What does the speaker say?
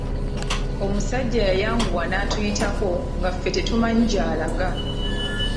Omusajja yayanguwa n'atuyitako nga ffe tetumanyi gy'alaga.